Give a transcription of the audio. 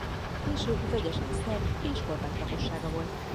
Később vegyesen szerb és horvát lakossága volt.